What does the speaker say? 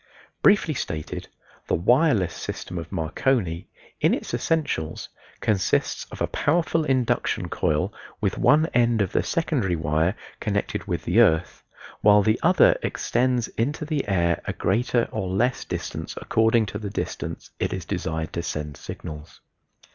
Briefly stated, the wireless system of Marconi, in its essentials, consists of a powerful induction coil with one end of the secondary wire connected with the earth, while the other extends into the air a greater or less distance according to the distance it is desired to send signals.